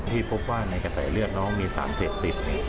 ที่พบว่าในกระแสเลือดน้องมีสารเสพติด